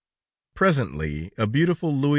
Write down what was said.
Presently a beautiful Louis XV.